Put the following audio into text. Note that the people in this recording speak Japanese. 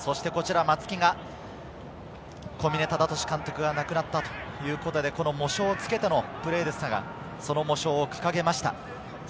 こちら松木が小嶺忠敏が亡くなったということで、喪章をつけてのプレーでしたが、その喪章を掲げました。